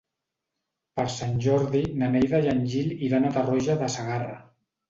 Per Sant Jordi na Neida i en Gil iran a Tarroja de Segarra.